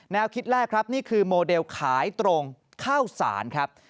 คิดแรกครับนี่คือโมเดลขายตรงข้าวสารครับ